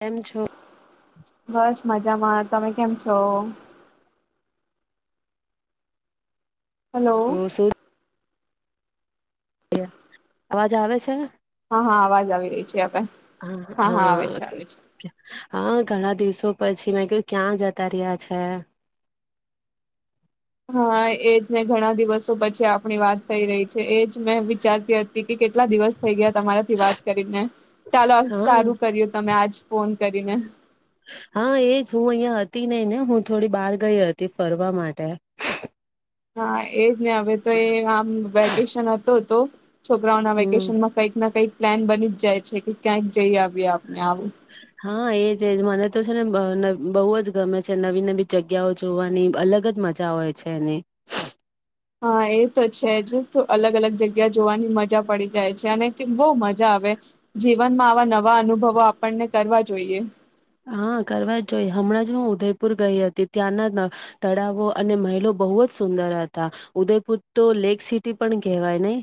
કેમ છો બસ મજામાં. તમે કેમ છો. હલો. શું [unintelligible] અવાજ આવે છે? હા હા અવાજ આવી રહી છે આપે હા હા આવે છે આવે છે. તો પછી મે ક ક્યાં જતા રહ્યા છે. હા એજ ને ઘણા દિવસો પછી આપણી વાત થઈ રહી છે એજ મે વિચારતી હતી કે કેટલા દિવસ થઈ ગયા તમારાથી વાત કરીને ચાલો હા સારું કર્યું તમે આજ ફોન કરીને. હા એજ હું અહિયાં હતી નહ ને હું થોડી બહાર ગઈ હતી ફરવા માટે. હા એ ને હવે તો એ આમ વેકેશન હતો તો છોકરાઓના હમ વેકેશનમાં કંઈક ના કંઈક પ્લાન બની જાય છે કે ક્યાંક જઈ આવીએ આપને. હા એજજ મને તો છે ને બહુ જ ગમે છે નવી નવી જગ્યાઓ જોવાની અલગ જ મજા હોય છે એની. હા એ તો છે જ અલગ અલગ જગ્યા જોવાની મજા પડી જાય છે અને બઉ મજા આવે જીવનમાં આવા નવા અનુભવો આપણને કરવા જોઈએ. હા કરવા જ જોઈએ હમણાં જ હું ઉદયપુર ગઈ હતી ત્યાંના તળાવો અને મહેલો બહુ જ સુંદર હતા ઉદયપુર તો લેક સિટી પણ કહેવાય નઈ?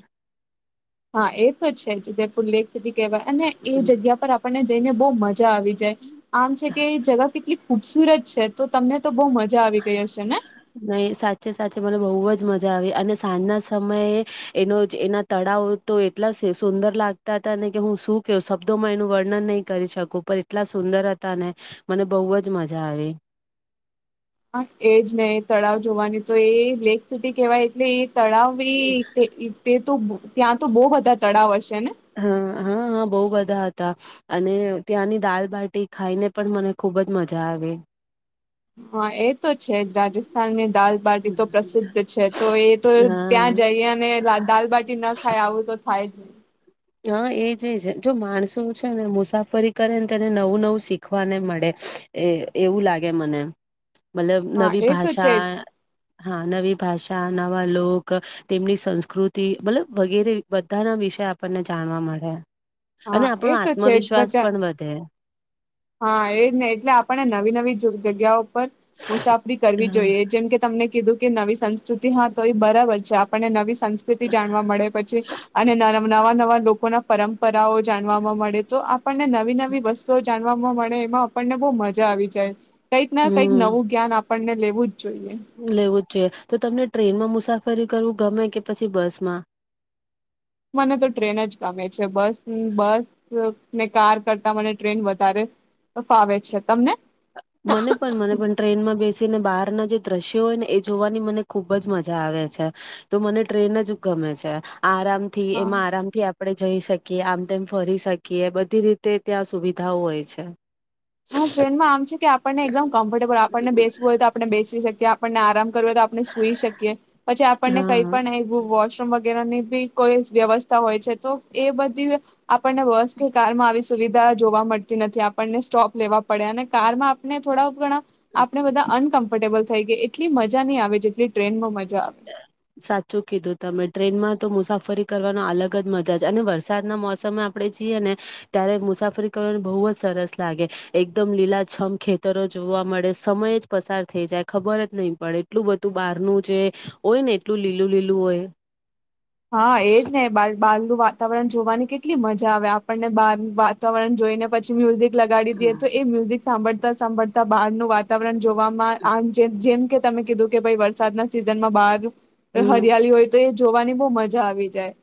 હા એ તો છે જ ઉદયપુર લેક સિટી કેવાય અને એ જગ્યા પર આપણને [unintelligible] ઈને બહુ મજ મજા આવી જાય આમ છે કે જગ કેટલી ખુબસૂરત છે, તો તમને તો બહુ મજા આવી ગઈ હશે ને? નહી સાચે સાચે મને બહુ મજા આવી અને સાંજના સમયે એનો એના તળાવ તો એટલા સુંદર લાગતા હતા ને કે હું શું કેઉં, શબ્દોમાં એનું વર્ણન નહીં કરી શકું પણ એટલા સુંદર હતા ને મને બહુ જ મજા આવી. હા એ જ ને તળાવ જોવાની તો એ લેક સિટી કેવાય એટલે એ તળાવ ભી તે તે તો ત્યાં તો બહુ બધા તળાવ હસે હા. હા હા બહુ બધા હતા અને ત્યાંની દાલબાટી ખાઈને પણ મને ખુબ જ મજા આવે. હા એ તો છે જ રાજસ્થાન ની દાલબાટી તો પ્રસિદ્ધ છે તો એ તો ત્યાં હા જઈએ અને દાલબાટી ના ખાય આવું તો થાય જ નહી. હા એજ છે જો માણસો છે ને મુસાફરી કરે ને તેને નવું નવું શીખવાને મળે એ એવું લાગે મને. મતલબ હા નવી એ તો છે જ ભાષા હા નવી. ભાષા નવા લોક તેમની સંસ્કૃતિ મતલબ વગેરે બધા ના વિષય આપણને જાણવા મળે. અને હા આપણો એ તો છે જ આત્મવિશ્વાસ પણ વધે. હા એજ નહ એટલે આપને નવી નવી જગ્યાઓ પર મુસાફરી કરવી હા, જોઈએ જેમ કે તમને કીધું. કે નવી સંસ્કૃતિ હા તો ઈ બરાબર છે આપણને નવી સંસ્કૃતિ જાણવા મળે પછી અને નરમ નવા નવા લોકો ના પરંપરાઓ જાણવાવામાં મળે તો આપણને નવી નવી વસ્તુઓ જા જાણવાવામાં મળે એમાં આપણને બઉ મજા આવી જાય. કંઈક ના કઈક હમ નવું જ્ઞાન આપ આપણને લેવું. જોઈએ. જોઇએ તો તમને ટ્રેનમાં મુસાફરી કરવું ગમે કે પછી બસમાં. મને તો ટ્રેન જ ગમે છે બસ બસ ને કાર કરતા મને ટ્રેન વધારે ફાવે છે તમને. મને પણ મને પણ ટ્રેનમાં બેસીને બહાર નથી દ્રશ્યો હોય ને એ જોવાની મને ખુબ જ મજા આવે છે તો મને ટ્રેન જ ગમે છે. આરામથી હા એમાં આરામ થી આપણે. જઈ શકીએ આમ તેમ ફરી શકીએ બધી રીતે ત્યાં સુવિધાઓ હોય છે. [inaudible] આમ છે કે આપણને એકદમ કમ્ફર્ટેબલ આપણને બેસવું હોય તો આપણે બેસી શકી ત્યાં આપણને આરામ. તો આપણે સુઈ શકીએ પછી આપણને કઈ હા પણ વ વગે ની બી કોઈ વ્યવસ્થા હોય છે તો એ બધી આપણને બસ કે કારમાં આવી સુવિધા જોવા મળતી નથી આપણને સ્ટોપ લેવા પડે અને કારમાં આપને થોડા ઘણા આપડણે બધા અનક ફર્ટેબલ થઈ ગઈ એટ માહી આવે જેટલી ટ્રેનમાં મજા આવે સાચું કીધું તમે ટ્રેનમાં તો મુસાફરી કરવાનો અલગ જ મજા છે અને વરસાદના મોસમમાં આપડણે જઈએ ને ત્યારે મુસાફરી કરવાને બહુ જ સરસ લાગે એકદમ લીલાછમ ખેતરો જોવા મળે સમય જ પસાર થઈ જાય ખબર જ નહીં પડે એટલું બધું બહારનું છે. હોય ને એટલું લીલું લીલું હોય. હા એજ ને બાાર નું વાતાવરણ જોવાની કે કેટલી મજા આવે આપણને વાતાવરણ જોઈને પછી મ્યુઝિક લગાડી દએ તો એ મ્યુઝિક સાંભળતા સાંભળતા બહારનું વાતાવરણ જોવામાં જેમ કે તમે કીધું કે ભાઈ વરસાદના સિઝન માં બહાર હમ હરિયાળલી હોય તો એ જ જોવાની બ મજા આવી જાય.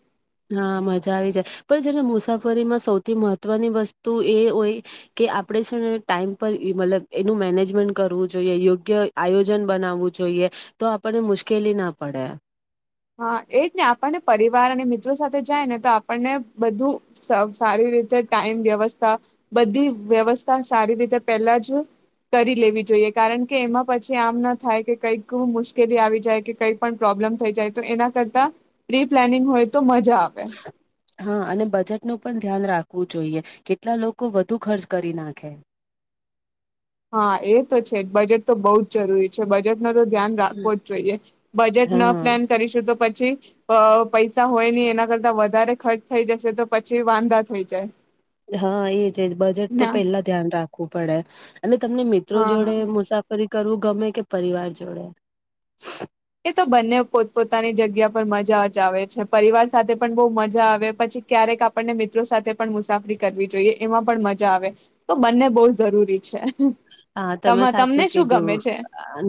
હા મજા આવી જાય પણ જેને મુસાફરીમાં સૌથી મહત્વની વસ્તુ એ હોય કે આપણે છે ને ટાઈમ પર મતલબ એનું મેનેજમેન્ટ કરવું જોઈએ યોગ્ય આયોજન બનાવવું જોઈએ તો આપણને મુશ્કેલી ના પડે. હા એજ ને આપણને પરિવાર અને મિત્રો સાથે જાય ને તો આપણને બધું સારી રીતે ટાઈમ વ્યવસ્થા બધી વ્યવસ્થા સારી રીતે પેલા જ કરી લેવી જોઈએ કારણ કે એમાં પછી આમ ના થાય કે કઈક વું મુશ્કેલી આવી જાય કે કઈ પણ પ્રોબ્લેમ થઈ જાય. એના કરતા પ્રી પ્લાનિંગ હોય તો મજા આવેે. હા અને બજેટનુંું પણ ધ્યાન રાખવું જોઈએ કેટલા લોકો વધુ ખર્ચ કરી નાખે. હા એ તો છે જ બજેટ તો બહુ જ જરૂરી છે બજેટ. ધ્યાન રાખવો હમ. જ જોઈએ બજેટ ન હા પ્લાન કરીશું તો પછી પછી પૈસા હોય નહી એના કરતા વધારે ખર્ચ થઈ જશે તો પછી વાંધા થઈ જાય. હા એ છે બજેટ તો ના પેલા ધ્યાન રાખ કૂ પડે. અને તમને મિત્રો જોડે હા મુસાફરી કરવું ગમે કે પરિવાર જોડે? એ તો બંને પોતપ પોતાની જગ્યા પર મજા જ આવે છે પરિવાર સાથે પણ બહુ મજા આવે પછી ક્યારેક આપણને મિત્રો સાથે પણ મુસાફરી કરવી જોઈએ એમાં પણ મજા આવે તો બંને બહુ જરૂરી છે. હા તમે તમને સાચું શું કીધું ગમે છે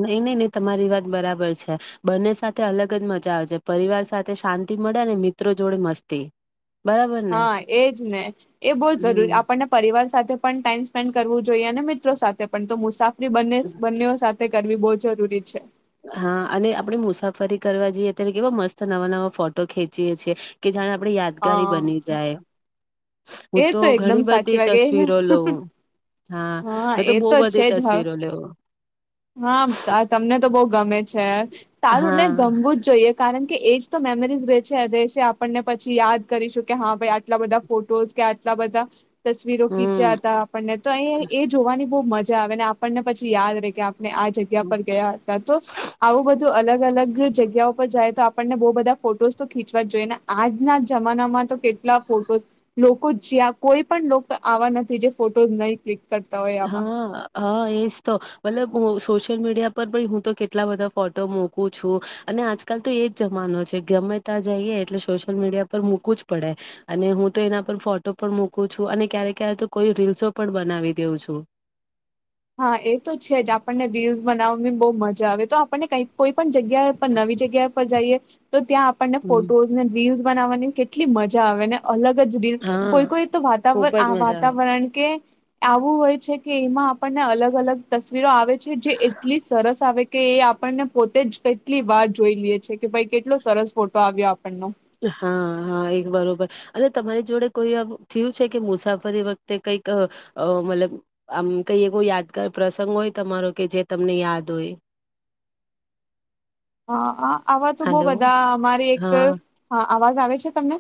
નઈ નઈ નહી તમારી વાત બરાબર છે. બંને સાથે અલગ જ મજા આવે છે પરિવાર સાથે શાંતિ મળે ને મિત્રો જોડે મસ્તી. બરાબર ને હા એજ ને એ બહુ જરૂરી હમ. આપણને પરિવાર સાથે પણ ટાઈમ સ્પેન્ડ કરવું જોઈએ અને મિત્રો સાથે પણ તો મુસાફ બને બંનેઓ સાથે કરવી બહુ જ જરૂરી છે. હા અને આપણેે મુસાફરી કરવા જઈએ ત્યારે કેવા મસ્ત નવા નવા ફોટો ખેંચીએ છીએ કે જાણે. આપડી યાદગારી હા બની જાય. હું એ તો એકદમ ઘણી સાચી બધી વાત એ તસવીરો લઉં. હા મેં એ બહુ તો બધી છે જ હા તસવીરો લેવ હા તમને તો બઉ ગમે છે સારું ને હા ગમવું જ જોઈએ કારણ કેમ કે એજ તો મેમરીઝ રે છે રે છે આપણને પછી યાદ કરીશું કે હા ભાઈ આટલા બધા ફોટોસ કે આટલા બધા. તસવીરો ખીંચ્યા હમ હતા આપણને તો અહીં એ જોવાની બહુ મજા આવે ને આપણને પછી યાદ રે કે. આ જગ્યા પર ગયા હતા તો આવું બધું અલગ. અલગ અલગ જગ્યા ઉપર પર જાય તો આપણને બહુ બધા ફોટોસ તો ખીંચવા જ જોઈએ ને આજના જમાનામા તો કેટલા ફોટો લોકો. જ્યાં કોઈ પણ લોક આવા નથી જે ફોટોઝ નહી ક્લિક. કરતા હોય આવા હા હા એજ તો મતલબ ઓ સોશ સોશિયલ મીડિયા પર પણ હું તો કેટલા બધા ફોટો મૂકું છું અને આજકાલ તો એ જ જમાનો છે ગમે ત્યાં જઈએ એટલે સોશ્યયલ મીડિયા પર મૂકું જ પડે અને હું તો એના પર ફોટો પણ મૂકું છું અને ક્યારેક ક્યારે તો કોઈ રીલ્સો પણ બનાવી દેઉં છું. તો બહ મજા આવે તો આપણને કઈકઈ પણ જગ્યા ઉપ નવી જગ્યા પર જઈએ. તો ત્યાં આપણને હમ ફોટોઝ ને રીલ બનાવવા કેટ એટલી મજા આવે ને અલગ જ રી કોઈ હા કોઈ તો વાતાવર ખુબ જ આ મજા આવે વાતાવરણ કે આવું હોય છે કે એમાં આપને અલગ અલગ તસવીરો આવે. જે એટલી સરસ આવે કે એ આપણને પોતે જ કેટલી વાર જોઈ લઈએ છે કે ભાઈ કેટલો સરસ ફોટો આવ્યો આપણનો હા હા એ બરોબર અને તમારી જોડે કોઈ થયું છે કે મુસાફરી વખતે કઈક મતલબ આમ કઈ એવો યાદગાર પ્રસંગ હોય તમારો કે જે તમને યાદ હોય. હા હા. આવા તો બહ હલો બધા અમારી એક હા અવાજ આવે છે. છે તમને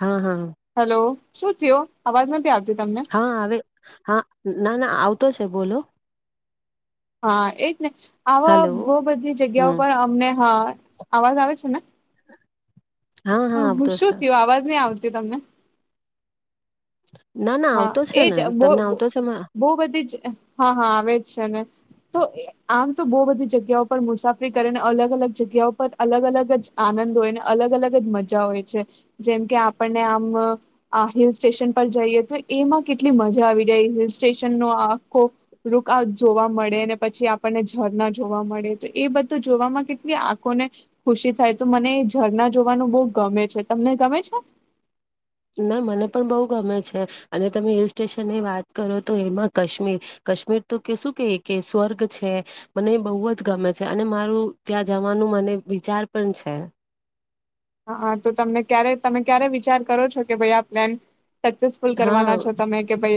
હા હા. હેલો શું થયો અવાજ નથી આવ્યો. હા હવે હા ના ના આવતો જ તે બોલો. હા એ જ ને. આવા હલો બહ બધી જગ્યા હમ પર અમને હા. અવાજ આવે છે ને. હા હ હા હું આવતો છે શું થયું અવાજ નઈ આવતી. તમને ના ના હા આવતો છે એજ ને બ તમને આવતો છે બહુ બધી જ હા હા આવે જ છે ને. તો આમ તો બહુ બધી જગ્યાઓ પર મુસાફરી કરે ને અલગ અલગ જગ્યા પર અલગ અલગ જ આનંદ હોયને અલગ અલગ જ મજા હોય છે જેમ કે આપણને આમ આ હિલ સ્ટેશન પર જઈએ. તો એમાં કેટલી મજા આવી જાય હિલ સ્ટેશનનો આખો રૂક જોવા મળે ને પછી આપણને ઝરણા જોવા મળે તો એ બધું જોવામાં કેટલી આંખોને ખુશી થાય તો મને એ ઝરણા જોવાનું બહુ ગમે છે તમને ગમે છે. ના મને પણ બહુ ગમે છે અને તમે હિલ સ્ટેશનની વાત કરો તો એમાં કાશ્મીર કાશ્મીર તો કે શું કે કે સ્વર્ગ છે મને એ બહુ જ ગમે છે અને મારું ત્યાં જવાનું મને વિચાર પણ છે. હા હા તો તમને ક્યારે તમે ક્યારે વિચાર કરો છો કે ભાઈ આ પ્લન હા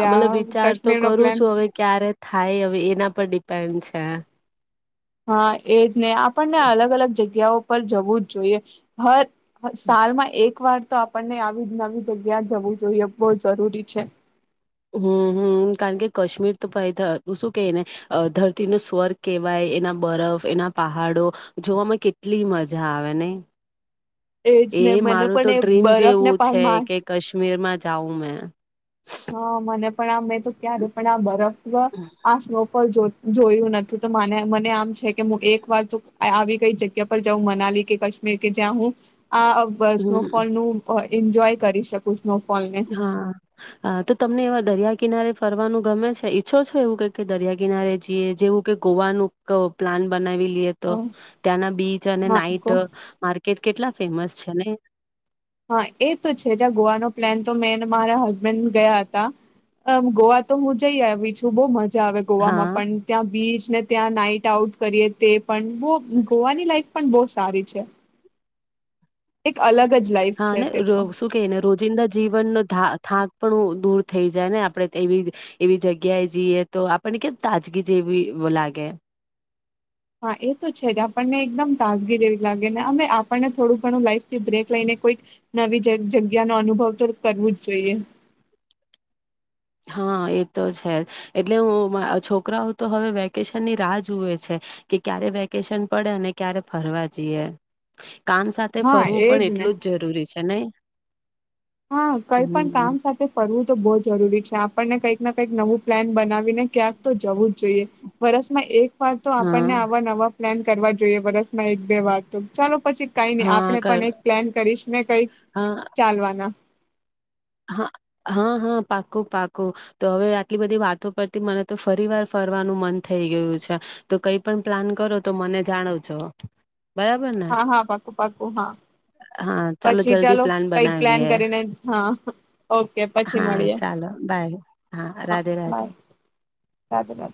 મતલબ વિચાર તો કાશ્મીર નો કરું પ્લાન છું હવે ક્યારે થાય હવે એના પર ડિપેન્ડ છે. હા એજ ને આપણને અલગ અલગ જગ્યાઓ પર જવું જ જોઈએ. હર સાલમાં એક વાર તો આપણને આવી જ નવી આવી જગ્યા જવું જોઈએ બહુ જરૂરી છે. હમ હમ કારણ કે કાશ્મીર તો ભાઈ શું કહે ને ધરતીનો સ્વર્ગ કહેવાય એના બરફ એના પહાડો જોવામાં કેટલી મજા આવે નઈ. એજ એ ને મને મારું પણ તો એ ડ્રીમ બરફને જેવું પણ છે મા કે કાશ્મીરમાં જાઉ મે હા મને પણ [inaudible] તો ક્યારે પણ આ બરફ [inaudible] આ સ્નો ફોલ [unintelligible] જોયું નથી તોને મને આમ છે કે મુ એક વાર જો આવી કઈ જગ્યા પર જાઉં મનાલી કે કાશ્મીર કે જ્યાં હું આ હમ સ્નોફોલ નું હોય એન્જોય કરી શકું સ્નોફોલને હા [inaudible] તમને એવા દરિયા કિનારે ફરવાનું ગમે છે ઈચ્છો છો એવું કે દરિયા કિનારે જઈએ જેવું કે ગોવાનું પ્લાન બનાવી [inaudible] હા ત્યાંના બીચ અને હા નાઈટ કો માર્કેટ કેટલા ફેમસ છે ને. હા એ તો છે જ્યાં ગોવાનો પ્લાન તો મે મારા હસબેન્ડ ગયા હતા ગોવા તો હું જઈ આવી છું બહુ મજ [unintelligible] આવે હા ગોવામાં પણ ત્યાં બીચ ને ત્યાં નાઈટ આઉટ કરીએ તે પણ [unintelligible] ગોવાની લાઈફ પણ બહુ સારી છે. એક અલગ જ લાઈફ હા છે ને તે તો શું કે ને રોજિંદા જીવનનો થા થાક પણ દૂર થઈ જાય ને આપણે એવી એવી જગ્યાએ જઈએ તો આપણને કેમ તાજગી જેવી લાગે. હા એ તો છે જ આપણને એકદમ તાજગી જે એવી લાગે ને અમે આપણને થોડું ઘણું લાઈફથી બ્રેક લઈને કોઈક નવી જગ્યા નો અનુભવ તો કરવો જ જોઈએ. હા એ તો છે જ એટલે હુ છોકરાઓ તો હવે વેકેશન ની રાહ જુવે છે કે ક્યારે વેકેશન પડે અને ક્યારે ફરવા જઈએ. કામ સાથે હા ફરવું એજ પણ ને એટલું જ જરૂરી છે નય. હા કઈ પણ કામ સાથે ફરવું તો બઉ જરૂરી છે. આપણને કંઈક ના કંઈક નવું પ્લાન બનાવીને ક્યાંક તો જવું જ જો વર્ષમાં એક વાર તો આપને હા, આવા નવા પ્લાન કરવા જોઈએ વરસમાં એક બે વાત તો ચાલો. પછી કઈ નઈ હા, આપણે કર પણ એક પ્લેન કરીશ ને કઈ હા, ચાલવાના હા હા હા પાકું પાકું તો હવે આટલી બધી વાતો પરથી મને તો ફરી વાર ફરવાનું મન થઈ ગયું છે તો કઈ પણ પ્લાન કરો તો મને જાણવજો. બરાબર ને? હા હા પાક્કું પાક્કું હા હા, પછી જલ્દી ચાલો પ્લાન કઈક પ્લાન બનાવીએ. કરીને હા. ઓકે પછી હા, મળીએ ચાલો બાય. હા રાધે રાધે. બાય રાુ રા.